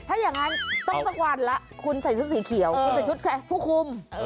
ถ้าอย่างนั้นต้องสักวันละคุณใส่ชุดสีเขียวคุณใส่ชุดใครผู้คุม